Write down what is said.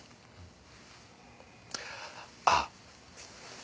あっ。